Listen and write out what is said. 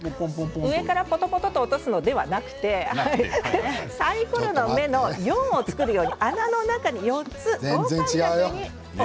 上からぽとぽとと落とすのではなくてサイコロの目の４を作るように穴の中に４つ。